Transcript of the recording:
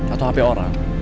atau hp orang